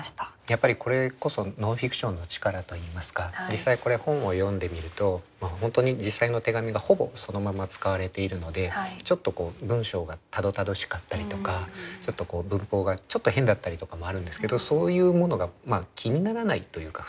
やっぱりこれこそノンフィクションの力といいますか実際これは本を読んでみると本当に実際の手紙がほぼそのまま使われているのでちょっとこう文章がたどたどしかったりとか文法がちょっと変だったりとかもあるんですけどそういうものが気にならないというか。